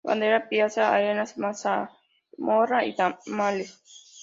Bandeja paisa, arepas, mazamorra y tamales.